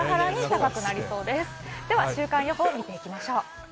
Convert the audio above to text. では週間予報を見ていきましょう。